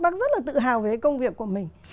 bác rất là tự hào về công việc của mình